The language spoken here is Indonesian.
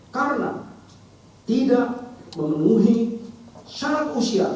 karena tidak memenuhi syarat usia